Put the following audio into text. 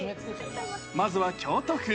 まずは京都府。